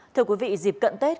thưa quý vị dịp cận tết